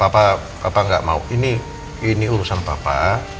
papa nggak mau ini urusan papa